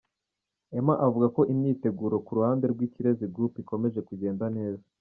Emma avuga ko imyiteguro ku ruhande rw’ Ikirezi Group ikomeje kugenda neza.